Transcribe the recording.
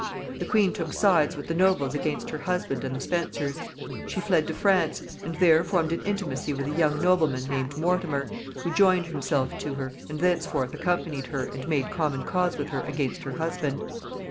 The queen took sides with the nobles against her husband and the Spencers. She fled to France, and there formed an intimacy with a young nobleman named Mortimer, who joined himself to her, and thenceforth accompanied her and made common cause with her against her husband.